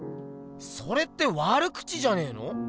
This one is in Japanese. それって悪口じゃねえの？